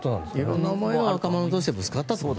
色んな思いが若者同士でぶつかったと。